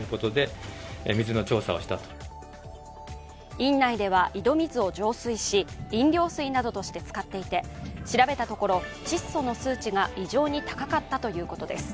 院内では井戸水を浄水し飲料水などとして使っていて調べたところ、窒素の数値が異常に高かったということです。